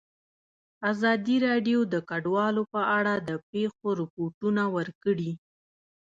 ازادي راډیو د کډوال په اړه د پېښو رپوټونه ورکړي.